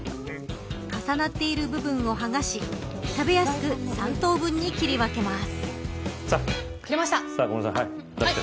重なっている部分を剥がし食べやすく３等分に切り分けます。